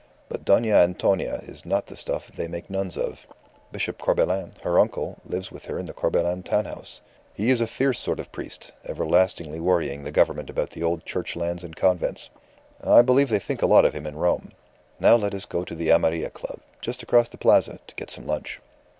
But Dona Antonia is not the stuff they make nuns of. Bishop Corbelan, her uncle, lives with her in the Corbelan town house. He is a fierce sort of priest, everlastingly worrying the Government about the old Church lands and convents. I believe they think a lot of him in Rome. Now let us go to the Amarilla Club, just across the Plaza, to get some lunch."